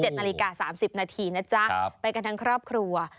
นาฬิกา๓๐นาทีนะจ๊ะไปกันทั้งครอบครัว